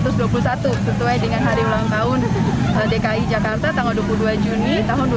sesuai dengan hari ulang tahun dki jakarta tanggal dua puluh dua juni dua ribu dua puluh